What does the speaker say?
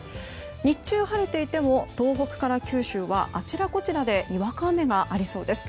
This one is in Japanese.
日中は晴れていても東北から九州はあちらこちらでにわか雨がありそうです。